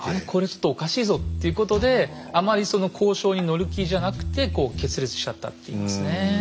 ちょっとおかしいぞっていうことであまりその交渉に乗る気じゃなくてこう決裂しちゃったっていいますね。